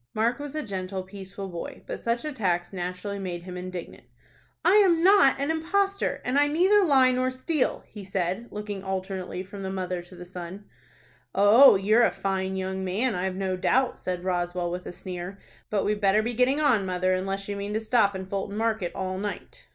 Mark was a gentle, peaceful boy, but such attacks naturally made him indignant. "I am not an impostor, and I neither lie nor steal," he said, looking alternately from the mother to the son. "Oh, you're a fine young man. I've no doubt," said Roswell, with a sneer. "But we'd better be getting on, mother, unless you mean to stop in Fulton Market all night."